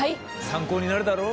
参考になるだろ？